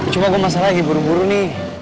cuma gue masalah lagi buru buru nih